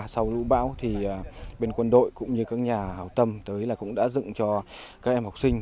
sau lũ bão thì bên quân đội cũng như các nhà hào tâm tới là cũng đã dựng cho các em học sinh